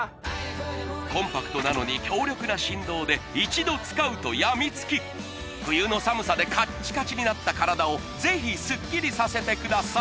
コンパクトなのに強力な振動で一度使うとやみつき冬の寒さでカッチカチになった体をぜひスッキリさせてください